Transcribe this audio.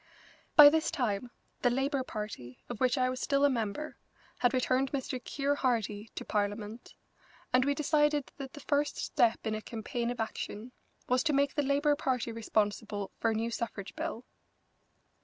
By this time the Labour Party, of which I was still a member, had returned Mr. Keir Hardie to Parliament, and we decided that the first step in a campaign of action was to make the Labour Party responsible for a new suffrage bill.